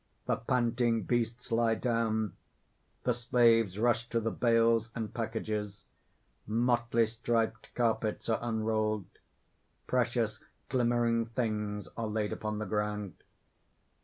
_ _The panting beasts lie down; the slaves rush to the bales and packages, motley striped carpets are unrolled; precious glimmering things are laid upon the ground.